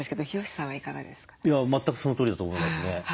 全くそのとおりだと思いますね。